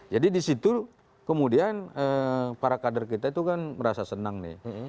jadi di situ kemudian para kader kita itu kan merasa senang nih